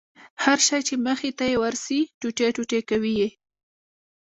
هر شى چې مخې ته يې ورسي ټوټې ټوټې کوي يې.